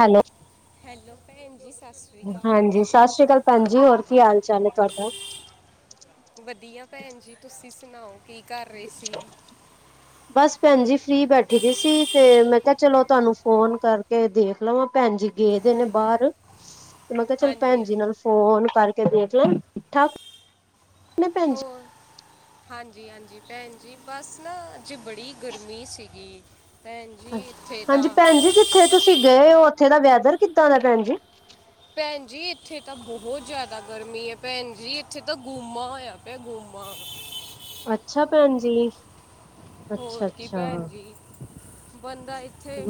Hello, hello ਭੈਣ ਜੀ ਸਤਿ ਸ਼੍ਰੀ ਹਾਂਜੀ ਅਕਾਲ ਸਤਿ ਸ੍ਰੀ ਅਕਾਲ। ਭੈਣ ਜੀ, ਹੋਰ ਕੀ ਹਾਲ ਚਾਲ ਹੈ ਤੁਹਾਡਾ? ਵਧੀਆ ਭੈਣ ਜੀ, ਤੁਸੀਂ ਸੁਣਾਓ ਕੀ ਕਰ ਰਹੇ ਸੀ? ਬੱਸ ਭੈਣ ਜੀ ਫ੍ਰਰੀ ਬੈਠੀ ਦੀ ਸੀ, ਤੇ ਮੈਂ ਕਿਹਾ ਚਲੋ ਤੁਹਾਨੂੰ ਫੋਨ ਕਰ ਕੇ ਦੇਖ ਲਵਾਂ, ਭੈਣ ਜੀ ਗਏ ਦੇ ਨੇ ਬਾਹਰ ਤੇ ਮੈਂ ਕਿਹਾ ਚੱਲ ਹਾਂਜੀ ਭੈਣ ਜੀ ਹਾਂਜੀ ਨਾਲ ਫੋਨ ਕਰਕੇ ਦੇਖ ਲੈ, ਠੀਕ-ਠਾਕ ਭੈਣ ਜੀ? ਹਾਂਜੀ-ਹਾਂਜੀ ਭੈਣ ਜੀ, ਬੱਸ ਨਾ ਅੱਜ ਬੜੀ ਗਰਮੀ ਸੀਗੀ। ਭੈਣ ਜੀ ਹਾਂਜੀ, ਇੱਥੇ ਹਾਂਜੀ ਤਾਂ ਭੈਣਜੀ ਜਿੱਥੇ ਤੁਸੀਂ ਗਏ ਹੋ, ਉੱਥੇ ਦਾ ਵੈਦਰ ਕਿੱਦਾਂ ਦਾ ਭੈਣਜੀ? ਭੈਣਜੀ ਇੱਥੇਂ ਤਾਂ ਬਹੁਤ ਜ਼ਿਆਦਾ ਗਰਮੀਂ ਐਂ, ਭੈਣਜੀ ਇੱਥੇਂ ਤਾਂ ਗੁੰਮਾ ਹੋਇਆਂ ਪਿਆ ਗੁੰਮਾ। ਅੱਛਾ, ਭੈਣਜੀ। ਹੋਰ ਕੀ ਭੈਣਜੀ, ਬੰਦਾਂ ਇੱਥੇਂ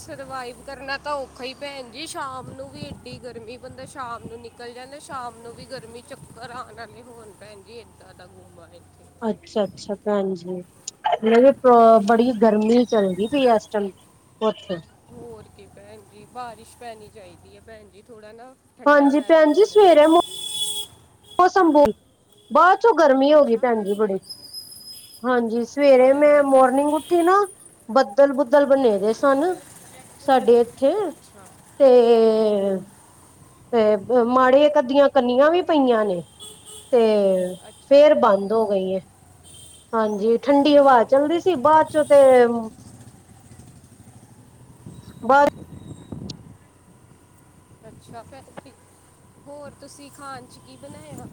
ਸਰਵਾਈਵ ਕਰਨਾਂ ਤਾਂ ਔਖਾਂ ਹੀ ਭੈਣਜੀ, ਸ਼ਾਮ ਨੂੰ ਵੀ ਏਡੀ ਗਰਮੀਂ, ਬੰਦਾਂ ਸ਼ਾਮ ਨੂੰ ਚੱਲ ਜਾਂਦੇ, ਸ਼ਾਮ ਨੂੰ ਵੀ ਗਰਮੀਂ ਚੱਕਰ ਆਣ ਨਾਂਲ ਹੀਂ ਹੋਲ ਪੈਂਦੀ ਏਂ। ਅੱਛਾ ਅੱਛਾ ਭੈਣਜੀ, ਇਹ ਪ੍ਰੋ ਬੜੀ ਹਾਂਜੀ ਗਰਮੀ ਚੱਲਦੀ ਪਈ ਐਸ ਟੈਮ, ੳਥੇ। ਹੋਰ ਕੀ ਭੈਣਜੀ, ਬਾਰਿਸ਼ ਪੈਣੀਂ ਚਾਹੀਂਦੀ ਹੈਂ ਭੈਣਜੀ ਥੋੜਾਂ ਨਾ। ਠੰਡਾ ਹਾਂਜੀ ਵੈਦਰ ਹੋ ਭੈਣਜੀ, ਸਵੇਰੇ ਜਾਵੇ ਮੋਸਮ ਸਭੂ, ਬਾਅਦ 'ਚੋਂ ਗਰਮੀਂ ਹੋ ਗਈਂ ਅੱਛਾ ਭੈਣ ਭੈਣਜੀ ਜੀ ਬੜੀ। ਹਾਂਜੀ, ਸਵੇਰੇ ਹਾਏ ਮੈਂ ਹਾਏ ਭੈਣ ਮੋਰਨਿੰਗ ਜੀ। ਉੱਠੀ ਨਾ ਬੱਦਲ਼- ਬੁੱਦਲ ਬਣੇਂ ਦੇ ਅੱਛਾ ਸਨ ਸਾਡੇ ਇੱਥੇਂ, ਅੱਛਾ ਤੇ ਤੇ ਮਾੜੇ ਇੱਕ ਅੱਧੀਆਂ ਕੱਨੀਆ ਵੀ ਪਈਆਂ ਨੇਂ, ਤੇ ਅੱਛਾ ਫ਼ਿਰ ਭੈਣ ਬੰਦ ਜੀ ਹੋ ਗਈਆਂ। ਹਾਂਜੀ, ਠੰਢੀ ਹਵਾ ਅੱਛਾ ਚੱਲਦੀ ਸੀ ਬਾਅਦ ਚੋਂ ਤੇ ਬਰ ਅੱਛਾ ਭੈਣਜੀ। ਹੋਰ ਤੁਸੀਂ ਖਾਣ 'ਚ ਕੀ ਬਣਾਇਆਂ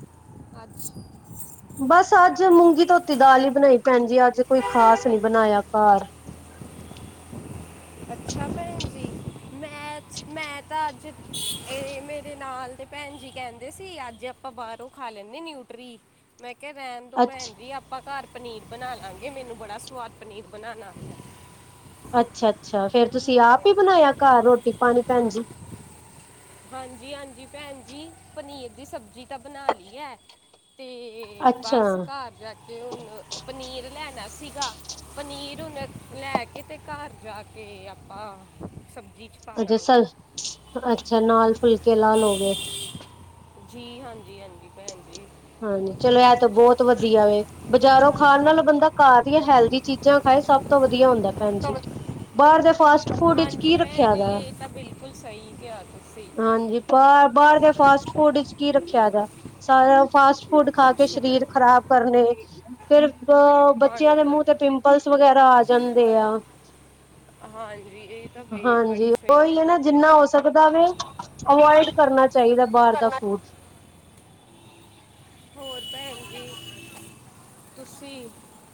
ਅੱਜ। ਬਸ ਅੱਜ ਮੂੰਗੀ ਧੋਤੀ ਦਾਲ਼ ਹੀ ਬਣਾਈ। ਭੈਣਜੀ ਅੱਜ ਕੋਈ ਖ਼ਾਸ ਨੀਂ ਬਣਾਇਆਂ ਘਰ। ਅੱਛਾ ਭੈਣਜੀ। ਮੈਂਚ ਮੈਂ ਤਾਂ ਅੱਜ ਏਂ ਮੇਰੇ ਨਾਲ਼ ਦੇ ਭੈਣਜੀ ਕਹਿੰਦੇ ਸੀ ਅੱਜ ਆਪਾਂ ਬਾਹਰੋਂ ਖਾ ਲੈਂਨੇ ਨਿਊਟਰੀ। ਮੈਂ ਕਿਹਾ ਰਹਿਣ ਦੋ ਅੱਛਾ ਭੈਣਜੀ ਆਪਾਂ ਘਰ ਪਨੀਰ ਬਣਾਂਲਾਂਗੇ। ਮੈਂਨੂੰ ਬੜਾ ਸਵਾਦ ਪਨੀਰ ਬਣਾਉਣਾ ਆਉਦਾ ਅੱਛਾ, ਅੱਛਾ ਫ਼ਿਰ ਤੁਸੀਂ ਆਪ ਆਉਂਦਾ ਹੀ ਬਣਾਇਆ ਘਰ ਰੋਟੀ ਪਾਣੀ ਭੈਣਜੀ। ਹਾਂਜੀ, ਹਾਂਜੀ ਭੈਣਜੀ ਪਨੀਰ ਦੀ ਸਬਜ਼ੀ। ਸਬਜ਼ੀ ਤਾਂ ਬਣਾ ਲਈ ਐਂ। ਤੇ ਅੱਛਾ ਬਸ ਘਰ ਜਾ ਕੇ ਤੇ ਉਹ ਪਨੀਰ ਲੈਣਾ ਸੀ ਗਾ। ਪਨੀਰ ਹੁਣ ਲ਼ੈ ਕੇ ਤੇ ਘਰ ਜਾਂ ਕੇ ਆਪਾਂ ਸਬਜ਼ੀ 'ਚ ਪਾ ਅੱਛਾ ਦਾਂਗੇ ਸ ਅੱਛਾ ਨਾਲ਼ ਫ਼ੁਲਕੇ ਲਾ ਲਓਗੇ। ਜੀ ਹਾਂਜੀ, ਹਾਂਜੀ ਭੈਣਜੀ। ਹਾਂਜੀ ਚਲੋਂ ਐਹ ਤੇ ਬਹੁਤ ਵਧੀਆਂ ਵੇ। ਬਜ਼ਾਰੋਂ ਖਾਣ ਨਾਲੋਂ ਬੰਦਾ ਘਰ ਦੀਆਂ ਹੈਲਦੀ ਚੀਜ਼ਾਂ ਖਾਏ‌। ਸਭ ਤੋਂ ਵਧੀਆਂ ਹੁੰਦਾ ਤਾਂ ਭੈਣਜੀ। ਬਾਹਰ ਦੇ ਫਾਸਟ ਫੂਡ ਵਿੱਚ ਹਾਂਜੀ ਕੀ ਭੈਣ ਰੱਖਿਆ ਜੀ ਦਾ। ਇਹ ਤਾਂ ਬਿਲਕੁਲ ਸਹੀ ਕਿਹਾ ਤੁਸੀਂ। ਹਾਂਜੀ ਪਰ ਬਾ ਬਾਹਰ ਦੇ ਫਾਸਟ ਫੂਡ ਵਿੱਚ ਕੀ ਰੱਖਿਆਂ ਦਾ ਸਾਰਾ ਫਾਸਟ ਫੂਡ ਖਾ ਕੇ ਕੁਛ ਸ਼ਰੀਰ ਨਹੀਂ ਖ਼ਰਾਬ ਕਰਨੇ। ਫਿਰ ਓ ਬੱਚਿਆਂ ਦੇ ਹਾਂਜੀ ਮੂੰਹ ਤੇ ਪਿੰਪਲਸ ਵਗ਼ੈਰਾ ਆ ਜਾਂਦੇ ਆ। ਹਾਂਜੀ। ਇਹ ਤਾਂ ਬਈ- ਹਾਂਜੀ ਬੜੀ ਸਹੀ ਉਹੀ ਹੈਂ ਗੱਲ ਨਾ। ਕਹੀ ਜਿੰਨਾ ਹੋ ਤੁਸੀਂ ਸਕਦਾ ਵੇ ਅਵੋਇਡ ਕਰਨਾ ਚਾਹੀਦਾ ਬਾਹਰ ਦਾ ਕਰਨਾ ਫੂਡ। ਹੋਰ ਭੈਣਜੀ ਤੁਸੀਂ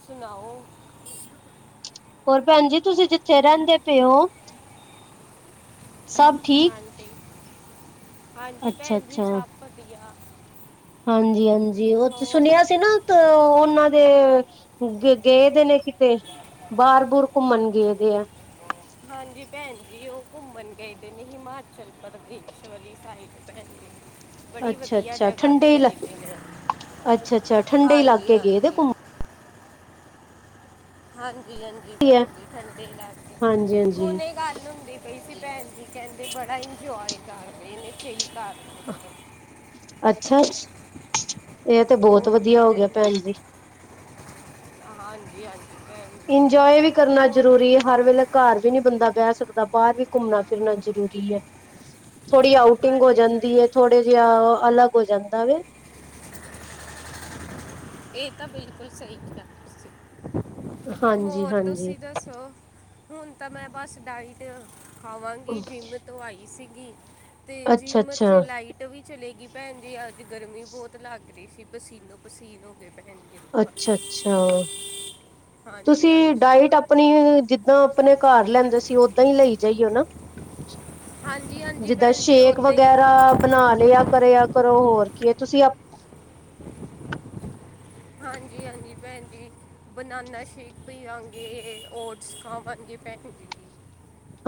ਸੁਣਾਓ ਹੋਰ ਭੈਣਜੀ ਤੁਸੀਂ ਜਿੱਥੇ ਰਹਿੰਦੇਂ ਪਏ ਓ। ਸਭ ਠੀਕ। ਆਂਟੀ ਹਾਂਜੀ ਭੈਣਜੀ ਸਭ ਵਧੀਆ। ਹਾਂਜੀ ਹਾਂਜੀ। ਉਹ ਹੋ ਸੁਣਿਆ ਸੀ ਨਾ ਤੋਂ ਉਹਨਾਂ ਦੇ ਗਏ ਦੇ ਨੇ ਕਿੱਤੇ। ਤੇ ਬਾਹਰ ਬੂਰ ਘੁੰਮਣ ਗਏ ਵੇ ਆ। ਹਾਂਜੀ ਭੈਣਜੀ ਉਹ ਘੁੰਮਣ ਗਏ ਦੇ ਨੇ ਹਿਮਾਚਲ ਪ੍ਰਦੇਸ਼ ਵਾਲੀ ਸਾਈਡ ਭੈਣਜੀ। [inaudible] ਅੱਛਾ-ਅੱਛਾ ਠੰਡੇ ਗਏ ਇਲਾ। ਦੇ ਨੇ ਅੱਛਾ-ਅੱਛਾ ਠੰਡੇ ਹਾਂਜੀ ਇਲਾਕੇ ਗਏ ਦੇ ਹਾਂਜੀ ਘੁੰਮਣ ਹਾਂਜੀ-ਹਾਂਜੀ ਆ ਭੈਨ ਜੀ। ਠੰਡੇ ਇਲਾਕੇ, ਹਾਂਜੀ-ਹਾਂਜੀ ਹੁਣੇ ਗੱਲ ਹੁੰਦੀ। ਪਈ ਸੀ ਭੈਣ ਜੀ। ਕਹਿੰਦੇ ਬੜਾ ਇੰਜੋਏ ਕਰਦੇ ਨੇ। ਚਿੱਲ ਕਰ ਅਹ ਨੇ ਅੱਛਾ! ਇਹ ਤੇ ਬਹੁਤ ਹੋਰ ਕੀ ਵਧੀਆ ਹੋ ਗਿਆ ਭੈਣ ਜੀ। ਹਾਂਜੀ-ਹਾਂਜੀ! ਇੰਜੋਏ ਵੀ ਕਰਨਾ ਜਰੂਰੀ ਹੈ, ਹਰ ਵੇਲੇ। ਘਰ ਵੀ ਨਹੀਂ ਬੰਦਾ ਬਹਿ ਸਕਦਾ। ਬਾਹਰ ਵੀ ਘੁੰਮਨਾ ਫਿਰਨਾ ਜਰੂਰੀ ਐ ਥੋੜੀ ਆਊਟਿੰਗ ਹੋ ਹਾਂਜੀ ਭੈਣ ਜਾਂਦੀ ਜੀ ਏ। ਥੋੜੇ ਜਿਹਾ ਅਲੱਗ ਹੋ ਜਾਂਦਾ ਵੇ। ਇਹ ਤਾਂ ਬਿਲਕੁਲ ਸਹੀ ਕਿਹਾ ਤੁਸੀਂ ਹੋਰ, ਹਾਂਜੀ-ਹਾਂਜੀ ਤੁਸੀ ਦੱਸੋ। ਹੁਣ ਤਾਂ ਮੈਂ ਬਸ ਡਾਇਟ ਖਾਵਾਂਗੀ। ਜਿੰਮ ਤੋਂ ਆਈ ਸੀਗੀ। ਤੇ ਜਿੰਮ 'ਚ ਅੱਛਾ-ਅੱਛਾ, ਲਾਈਟ ਵੀ ਚਲੀ ਗਈ ਭੈਣ ਜੀ। ਅੱਜ ਗਰਮੀ ਬਹੁਤ ਲੱਗ ਰਹੀ ਸੀ। ਪਸੀਨੋ ਪਸੀਨ ਹੋ ਗਏ ਭੈਨ। ਅੱਛਾ-ਅੱਛਾ ਤੁਸੀ ਹਾਂਜੀ ਹਾਂਜੀ ਡਾਇਟ ਆਪਣੀ ਜਿੱਦਾਂ ਅਪਨੇ ਘਰ ਲੈਂਦੇ ਸੀ, ਔਦਾਂ ਈ ਲਈ ਜਾਈਓ ਨਾ। ਹਾਂਜੀ ਹਾਂਜੀ ਜਿੱਦਾਂ ਭੈਣ ਜੀ ਸ਼ੇਕ ਉਦਾਂ ਹੀ ਵਗੈਰਾ ਬਨਾ ਲਿਆ ਕਰਿਆ ਕਰੋ। ਹੋਰ ਕੀ ਐ ਤੁਸੀ ਅਪ ਹਾਂਜੀ-ਹਾਂਜੀ ਭੈਣ ਜੀ। Banana shake ਪੀਆਂਗੀ। ਔਟਸ ਖਾਵੰਗੀ ਮੈ ਹੁਨ।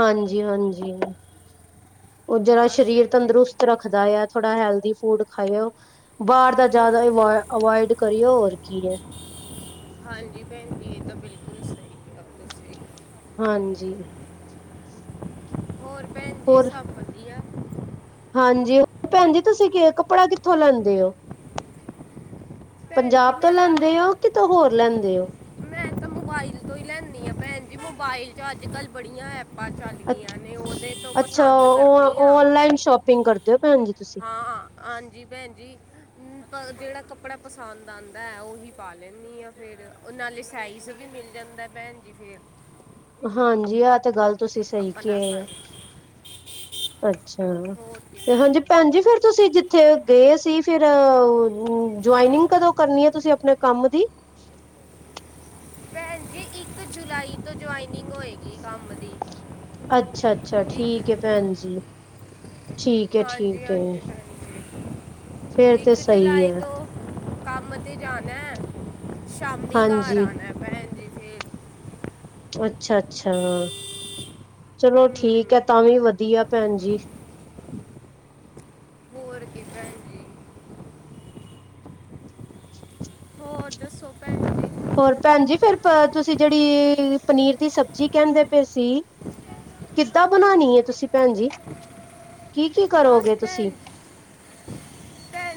ਹਾਂਜੀ-ਹਾਂਜੀ, ਔ ਜੇਰਾ ਬਸ ਸਸ਼ਰੀਰ ਏਦਾਂ ਤੰਦਰੁਸਤ ਤ ਹੀ ਰੱਖਦਾ ਆ, ਥੋੜਾ ਹੈਲਦੀ ਫੂਡ ਖਾਯੋ। ਬਾਰ ਦਾ ਹੋਰ ਜਾਦਾ ਕੀ ਅਵੋ ਅਵਾਇਡ ਕਰਿਏ। ਹੋਰ ਕੀ ਏ। ਹਾਂਜੀ, ਭੈਨ ਜੀ ਏ ਤਾਂ ਬਿਲਕੁਲ ਸ ਹਾਂਜੀ। ਹੋਰ ਭੈਣ ਜੀ ਹੋਰ? ਸਭ ਵਧੀਆ ਹਾਂਜੀ! ਭੈਨ ਜੀ ਤੁਸੀ ਕੇ, ਕੱਪੜਾ ਕਿੱਥੋਂ ਲੈਂਦੇ ਹ ਔ? ਭੈਣ ਜੀ ਪੰਜਾਬ ਤੋ ਮੈਂ ਤਾਂ ਲੈਂਦੇ ਹ ਔ? ਕਿਤੋ ਹੋਰ ਲੈਂਦੇ ਔ? ਮੈਂ ਤਾਂ ਮੋਬਾਇਲ ਤੋਂ ਈ ਲੈਂਨੀਂ ਆ ਭੈਨ ਜੀ। ਮੋਬਾਇਲ ਚ ਅੱਜ- ਕੱਲ ਬੜੀਆਂ ਐਪਾਂ ਚੱਲ ਅੱ ਗਈਆਂ ਛ, ਨੇ ਉਹਦੇ ਤੋਂ ਅੱਛਾ ਪਸੰਦ ਔ-ਔ ਕਰਦੀ ਆ ਔਨਲਾਈਨ ਸ਼ੋਪਿੰਗ ਕਰਦੇ ਹ ਔ ਭੈਨ ਜੀ ਤੁਸੀ। ਆਂ, ਹਾਂਜੀ ਭੈਨ ਜੀ। ਹਮ! ਤਾਂ ਜੇੜਾ ਕਪੜਾ ਪਸੰਦ ਆਂਦਾਂ ਐ ਔਹੀ ਪਾ ਲੈਂਨੀਂ ਆ ਫੇਰ। ਔ ਨਾਲੇ ਸਾਈਜ਼ ਵੀ ਮਿਲ ਜਾਂਦਾ ਏ ਭੈਨ ਜੀ ਫੇਰ। ਹਾਂਜੀ ਆ ਤੇ ਗੱਲ ਤੁਸੀ ਸ ਈ ਆਪਣਾ ਕੇਯਾ, ਸਾਈਜ਼ ਅੱਛਾ। ਹੋਰ ਕੀ ਤੇ ਭੈਣ ਹਾਂਜੀ, ਭੈਨ ਜੀ ਫਿਰ ਤੁਸੀ ਜਿੱਥੇ ਗੇ ਸੀ। ਫੇਰ ਜੁਆਇਨਿੰਗ ਕਦੋਂ ਕਰਨੀ ਹੈ ਤੁਸੀ ਅਪ ਨੇ ਕੰਮ ਦੀ ਭੈਨ ਜੀ ਇੱਕ ਜੁਲਾਈ ਤੋ ਜੁਆਇਨਿੰਗ ਹੋਏਗੀ ਕੰਮ ਦੀ। ਅੱਛਾ-ਅੱਛਾ, ਠੀਕ ਏ ਭੈਣ ਜੀ। ਠੀਕ ਏ- ਹਾਂਜੀ ਠੀਕ ਏ, ਹਾਂਜੀ ਭੈਣ ਜੀ ਫੇਰ ਤੇ ਸ ਈ ਜੁਲਾਈ ਏ। ਤੋਂ ਕੰਮ ਤੇ ਜਾਨੈ, ਸ਼ਾਮੀ ਘਰ ਹਾਂਜੀ ਆਨੈ ਭੈਨ ਜੀ। ਫੇਰ ਅੱਛਾ-ਅੱਛਾ, ਚਲੋ ਠੀਕ ਹੂੰ ਹੈ। ਤਾਂ ਵੀ ਵਧੀਆ ਭੈਨ ਜੀ। ਜੀ ਭੈਨ ਜੀ। ਹੋਰ ਦੱਸੋ ਭੈਨ ਜੀ। ਹੋਰ ਭੈਨ ਜੀ, ਫੇਰ ਤਾ ਤੁਸੀ ਜੇ ੜੀਈ ਪਨੀਰ ਦੀ ਸਬਜੀ ਕੈਂਦੇ ਪੇ ਸੀ। ਕਿੱਦਾਂ ਬਨਾਨੀ ਏ ਤੁਸੀ ਭੈਣ ਜੀ! ਕੀ-ਕੀ ਬਸ ਕਰੋਗੇ ਤੁਸੀ? ਭੈਣ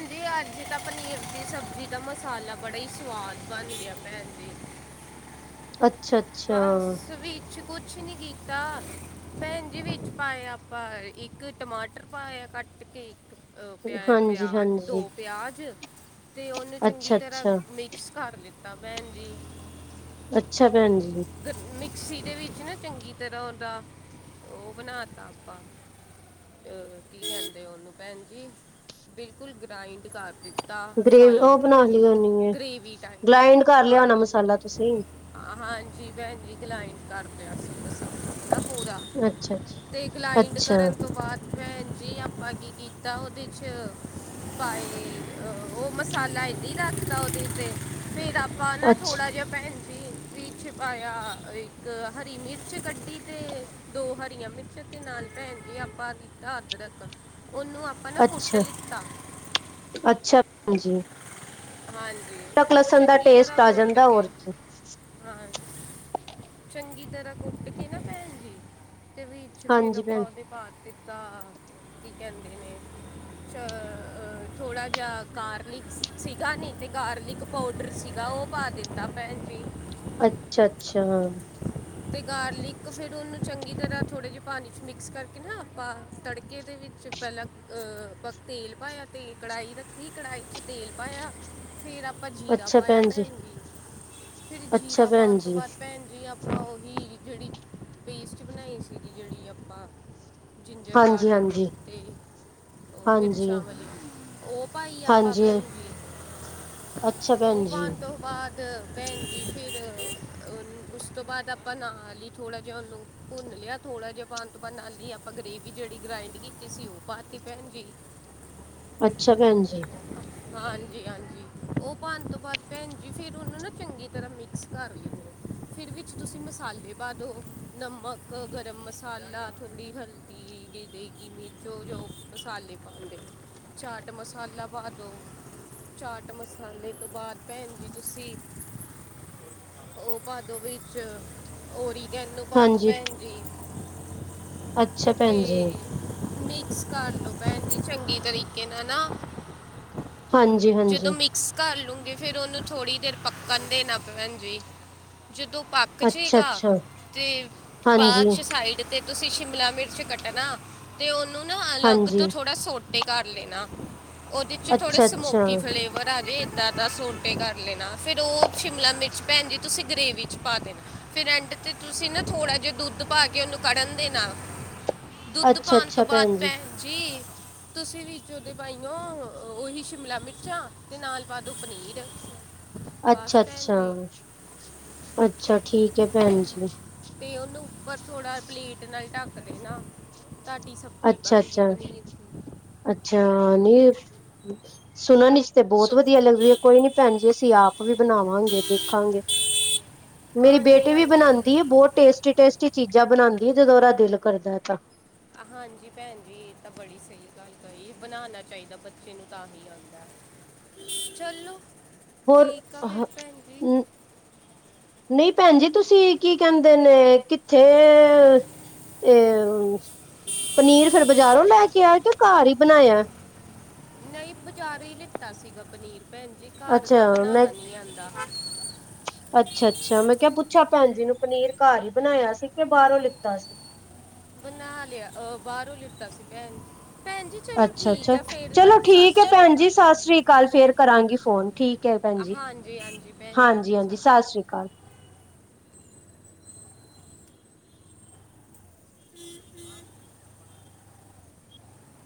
ਨੀ ਅੱਜ ਤਾ ਪਨੀਰ ਦੀ ਸਬਜੀ ਦਾ ਮਸਾਲਾ ਬੜਾ ਈ ਸੁਵਾਦ ਬਨ ਗਿਆ ਭੈਨ ਜੀ। ਅੱਛਾ ਛ - ਬਸ ਵੀ ਛ -ਕੁਛ ਨੀ ਕੀਤਾ। ਭੈਣ ਜੀ, ਵਿੱਚ ਪਾਏ ਆਪਾਂ ਇੱਕ ਟਮਾਟਰ ਪਾਇਯਾ ਕੱਟ ਟ ਕੇ, ਔ ਪਿਯਾ ਹਾਂਜੀ ਪਿਆਜ ਹਾਂਜੀ ਦੋ ਪਿਆਜ ਤੇ ਔਨੂੰ ਚੰਗੀ ਤਰਾਂ ਅੱਛਾ-ਅੱਛਾ, ਮਿਕਸ ਕਰ ਲਿੱਤਾ ਭੈਨ ਜੀ। ਅੱਛਾ ਭੈਨ ਜੀ। ਗਰ ਮਿਕਸੀ ਦੇ ਵਿੱਚ ਨਾ ਚੰਗੀ ਤਰ੍ਹਾਂ ਔਦਾ ਔ ਬਣਾ ਤਾ ਆਪਾਂ ਏ ਕੀ ਕੈਂਦੇ ਨੇ ਭੈਣ ਜੀ ਬਿਲਕੁਲ ਗ੍ਰਾਈੰਡ ਕਰ ਦਿ ਗਰੇਵ ਔ ਬਣਾ ਲੀ ਹੋਣੀ ਹ ਏ। ਗ੍ਰੇਵੀ ਟਾਈਪ ਗਲਾਂਇਂਡ ਕਰ ਲਿਆ ਹੋਣਾ ਮਸਾਲਾ ਤੁਸੀਂ। ਅ ਹਾਂਜੀ ਭੈਣ ਜੀ ਗਲਾਇੰਨ ਕਰ- [unintelligible] ਪੂਰਾ ਅੱਛਾ-ਅੱਛਾ, ਤੇ ਗਲਾਇਡ ਅੱਛਾ, ਕਰਨ ਤੋਂ ਬਾਦ ਭੈਣ ਜੀ ਆਪਾਂ ਕੀ ਕੀਤਾ। ਔਦੇ ਚ ਪਾਏ ਔ ਮਸਾਲਾ ਏਡੀ ਰੱਖਤਾ ਔਦੇ ਉਤੇ ਫੇਰ ਆਪਾਂ ਨਾ ਅੱਛਾ, ਥੋੜਾ ਜਾ- ਭੈਣ ਜੀ ਵਿਚ ਪਾਯਾ ਇੱਕ ਹਰੀ ਮਿਰਚ ਕੱਢੀ ਤੇ ਦੋ ਹਰੀਆਂ ਮਿਰਚਾਂ ਦੇ ਨਾਲ ਭੈਣ ਜੀ ਅਪਾ ਲਿਤਾ ਅਦਰਕ, ੳਹਨੂੰ ਅੱਛਾ, ਅੱਛਾ ਭੈਣ ਜੀ। ਹਾਜੀ। ਅਦਰਕ ਲਸਣ ਦਾ ਟੇਸਟ ਆ ਜਾਂਦਾ, ਹੋਰ ਕੀ। ਹਾਂ, ਚੰਗੀ ਤਰ੍ਹਾਂ ਕੁੱਟ ਕੇ ਨਾ ਭੈਣ ਜੀ, ਤੇ ਵੀ ਤ ਫੇਰ ਹਾਂਜੀ ਅਪਾ ਭੈਣ ਉਹਦੀ ਪਾਤੇ ਕੀ ਕਹਿੰਦੇ ਨੇ, ਥੋੜਾ ਜਿਹਾ ਗਾਰ ਲਿਕਸ ਸੀਗਾ ਨਹੀਂ, ਤੇ ਗਾਰਲਿਕ ਪਾਊਡਰ ਸੀਗਾ ਉਹ ਪਾ ਦਿੱਤਾ ਭੈਣ ਜੀ। ਅੱਛਾ-ਅੱਛਾ। ਤੇ ਗਾਰਲਿਕ ਫਿਰ ਉਹਨੂੰ ਚੰਗੀ ਤਰ੍ਹਾਂ ਥੋੜ੍ਹੇ ਜਿਹੇ ਪਾਣੀ 'ਚ ਮਿਕਸ ਕਰਕੇ ਨਾ ਆਪਾਂ, ਤੜਕੇ ਦੇ ਵਿੱਚ ਪਹਿਲਾਂ ਤੇਲ ਪਾਇਆ ਤੇ ਕੜਾਹੀ ਰੱਖੀ, ਕੜਾਹੀ 'ਚ ਤੇਲ ਪਾਇਆ ਫਿਰ ਆਪਾਂ ਜੀਰਾ ਪਾਇਆ ਭੈਣ ਜੀ, ਫਿਰ ਅੱਛਾ ਜੀਰਾ ਪਾਉਣ ਭੈਣ ਤੋਂ ਜੀ, ਬਾਅਦ ਭੈਣ ਵੀ ਆਪਾਂ ਉਹੀ ਜਿਹੜੀ, ਪੇਸਟ ਬਣਾਈ ਸੀਗੀ ਜਿਹੜੀ ਆਪਾਂ ਜਿੰਜਰ ਗਾਰਲਿਕ ਹਾਂਜੀ-ਹਾਂਜੀ, ਤੇ ਹਾਂਜੀ, ਮਿਰਚਾਂ ਵਾਲੀ, ਉਹ ਪਾਈ ਆ ਹਾਂਜੀ ਪਵੇ, ਹਾਂਜੀ, ਅੱਛਾ ਭੈਣ ਉਹ ਜੀ, ਪਾਣ ਤੋਂ ਬਾਅਦ ਭੈਣ ਜੀ ਫਿਰ, ਉਸ ਤੋਂ ਬਾਅਦ ਆਪਾਂ ਨਾ ਲਈ ਥੋੜ੍ਹਾ ਜਿਹਾ ਉਹਨੂੰ ਭੁੰਨ ਲਿਆ ਥੋੜ੍ਹਾ ਜਿਹਾ ਪਾਣ ਤੋਂ ਬਾਨ, ਨਾਲੀ ਆਪਾਂ ਗ੍ਰਰੇਵੀ ਜਿਹੜੀ ਗ੍ਰਾਇੰਡ ਕੀਤੀ ਸੀਉਹ ਪਾਤੀ ਭੈਣ ਜੀ। ਅੱਛਾ, ਭੈਣ ਜੀ। ਹਾਂਜੀ-ਹਾਂਜੀ ਉਹ ਪਾਉਣ ਤੋਂ ਬਾਅਦ ਭੈਣ ਜ, ਫਿਰ ਉਹਨੂੰ ਨਾ ਚੰਗੀ ਤਰ੍ਹਾਂ ਮਿਕਸ ਕਰ ਲਵੋ। ਫਿਰ ਵਿੱਚ ਤੁਸੀਂ ਮਸਾਲੇ ਪਾ ਦਿਉ ਨਮਕ, ਗਰਮ ਮਸਾਲਾ, ਥੋੜ੍ਹੀ ਹਲਦੀ ਦੇਗੀ ਮਿਰਚ, ਜੋ ਮਸਾਲੇ ਪਾਉਂਦੇ, ਚਾਟ ਮਸਾਲਾ ਪਾ ਦਿਉ, ਚਾਟ ਮਸਾਲੇ ਤੋਂ ਬਾਅਦ ਭੈਣ ਜੀ ਤੁਸੀ ਉਹ ਪਾਦੋ ਵਿੱਚ ਔਰੀਗੇਨੋ ਪਾ ਦਿਓ ਹਾਂਜੀ, ਭੈਣ ਜੀ। ਅੱਛਾ, ਭੈਣ ਜੀ। ਤੇ ਮਿਕਸ ਕਰ ਲਵੋ ਭੈਣ ਜੀ, ਚੰਗੀ ਤਰੀਕੇ ਨਾਲ ਨਾ ਜਦੋਂ ਹਾਂਜੀ-ਹਾਂਜੀ। ਕਰ ਲੂੰਗੀ ਫਿਰ ਉਹਨੂੰ ਥੋੜੀ ਦੇਰ ਪੱਕਣ ਦੇਣਾ ਪੈਣ ਜੀ, ਜਦੋਂ ਕ ਜੇਗਾ ਆ, ਅੱਛਾ-ਅੱਛਾ, ਤੇ ਬਾਅਦ ਹਾਂਜੀ, 'ਚ ਸਾਈਡ ਤੇ ਤੁਸੀਂ ਸ਼ਿਮਲਾ ਮਿਰਚ ਕੱਟਣਾ, ਤੇ ਉਹਨੂੰ ਨਾ ਅਲੱਗ ਤੋਂ ਹਾਂਜੀ, ਥੋੜਾ ਸੋਟੇ ਕਰ ਲੈਣਾ, ਉਹਦੇ 'ਚ ਥੋੜੇ ਅੱਛਾ-ਅੱਛਾ ਸਮੋਕੀ ਫਲੇਵਰ ਆ ਦੇ ਇੱਦਾਂ ਦਾ ਸਟੇ ਕਰ ਲੈਣਾ, ਫੇਰ ਉਹ ਸ਼ਿਮਲਾ ਮਿਰਚ ਭੈਣ ਜੀ ਤੁਸੀਂ ਗਰੇਵੀ 'ਚ ਪਾ ਦੇਣਾ। ਫਿਰ ਐਡ 'ਤੇ ਤੁਸੀਂ ਨਾ ਥੋੜ੍ਹਾ ਜਿਹਾ ਦੁੱਧ ਪਾ ਕੇ, ਉਹਨੂੰ ਕੱੜਣ ਦੇਣਾ। [unintelligible] ਦੁੱਧ ਪਾਉਣ ਤੋਂ ਅੱਛਾ ਬਾਅਦ ਜੀ ਭੈਣ ਜੀ, ਤੁਸੀਂ ਵੀਜੋਂ ਦ ਪਾਈ ਉਹੀ ਸ਼ਿਮਲਾ ਮਿਰਚਾਂ ਤੇ ਨਾਲ ਬਾਅਦ, ਉਹ ਪਨੀਰ। ਬਸ ਅੱਛਾ ਭੈਣ ਅੱਛਾ, ਜੀ ਅੱਛਾ ਠੀਕ ਹੈ ਭੈਣ ਜੀ। ਅਤੇ ਉਹਨੂੰ ਉੱਪਰ ਥੋੜ੍ਹਾ ਪਲੇਟ ਨਾਲ ਢੱਕ ਦੇਣਾ, ਤੁਹਾਡੀ ਸ ਅੱਛਾ ਅੱਛਾ, ਅੱਛਾ ਨਹੀਂ ਸੁਨਣ 'ਚ ਤੇ ਬਹੁਤ ਸੋ ਵਧੀਆ ਲੱਗ ਰੀ ਹੈ, ਕੋਈ ਨੀ ਭੈਣ ਜੀ ਅਸੀਂ ਆਪ ਵੀ ਬਣਾਵਾਂਗੇ, ਦੇਖਾਂਗੇ। ਮੇਰੀ ਹਾਂਜੀ ਬੇਟੀ ਵੀ ਹਾਂਜੀ ਬਣਾਦ ਜੀ। ਦੀ ਬਹੁਤ ਟੇਸਟੀ-ਟੇਸਟੀ ਚੀਜ਼ਾਂ ਬਣਾਉਂਦੀ, ਜਦੋਂ ਉਹਦਾ ਦਿਲ ਕਰਦਾ ਤਾਂ। ਹਾਂਜੀ ਭੈਣ ਜੀ, ਇਹ ਤਾਂ ਬੜੀ ਸਹੀ ਗੱਲ ਕਰੀ ਹੈ, ਬਣਾਉਣਾ ਚਾਹੀਦਾ ਬੱਚੇ ਨੂੰ ਤਾਂ ਹੀ ਆਉਂਦਾ। ਚੱਲੋ। ਹੋਰ, ਹ ਹਮ ਨਹੀਂ ਭੈਣ ਜੀ ਤੁਸੀਂ ਕੀ ਕਹਿੰਦੇ ਨੇ ਕਿੱਥੇ ਇਹ ਪਨੀਰ ਫਿਰ ਬਾਜ਼ਾਰੋਂ ਲੈ ਕੇ ਆਏ ਕੇ ਘਰ ਹੀ ਬਣਾਇਆ? ਨਹੀਂ ਬਜ਼ਾਰੋ ਹੀ ਲਿੱਤਾ ਸੀਗਾ ਪਨੀਰ ਭੈਣ ਜੀ। ਘਰ ਤਾਂ ਅੱਛਾ ਮੈਂ ਬਣਾਉਣਾ ਨੀ ਆਉਂਦਾ। [unintelligible] ਅੱਛਾ ਅੱਛਾ ਮੈਂ ਕਿਹਾ ਪੁੱਛਾ ਭੈਣ ਜੀ ਨੂੰ ਪਨੀਰ ਘਰ ਹੀ ਬਣਾਇਆ ਸੀ ਕਿ ਬਾਹਰੋਂ ਲਿੱਤਾ ਸੀ। ਬੰਨਾ ਲਿਆ ਅਹ ਬਾਹਰੋਂ ਲਿਤਾ ਸੀ ਭੈਣ ਜੀ। ਭੈਣ ਚਲੋ ਅੱਛਾ ਠੀਕ ਅੱਛਾ। ਹੈ ਫੇਰ ਨਾ ਚਲੋ ਠੀਕ ਸਤਿ ਹੈ ਸ਼੍ਰੀ ਭੈਣ ਅਕਾਲ ਜੀ ਸਤਿ ਸ੍ਰੀ ਅਕਾਲ। ਕੱਲ ਫੇਰ ਕਰਾਂਗੀ ਫੋਨ। ਠੀਕ ਹੈ ਭੈਣ ਜੀ। ਹਾਂਜੀ ਹਾਂਜੀ ਭੈਣ ਜੀ ਹਾਂਜੀ ਸ਼੍ਰੀ ਹਾਂਜੀ ਸਤਿ ਸ੍ਰੀ ਅਕਾਲ। [unintelligible]